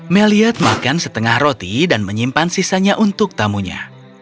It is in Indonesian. meliad makan setengah roti dan menyimpan sisanya untuk tamunya